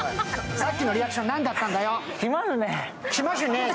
さっきのリアクション何だったんだよ。